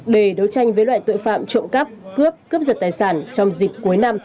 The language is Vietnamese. để đấu tranh với loại tội phạm trộm cắp cướp cướp giật tài sản trong dịp cuối năm